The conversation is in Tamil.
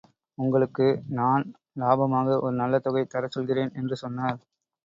உங்களுக்கு நான் லாபமாக ஒரு நல்ல தொகை தரச் சொல்கிறேன் என்று சொன்னார்.